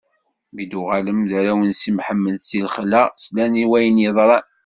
Mi d-uɣalen warraw n Si Mḥemmed si lexla, slan s wayen yeḍran.